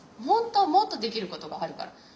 本当はもっとできることがあるから。